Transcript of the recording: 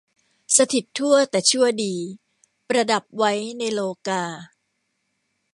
สถิตทั่วแต่ชั่วดี ประดับไว้ในโลกา